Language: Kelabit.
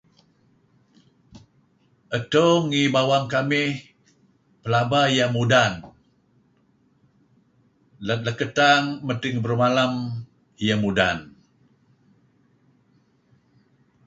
Adto ngi bawang kamih, laba iyah mudan lat lakasang madting masing barumalam iyah mudan.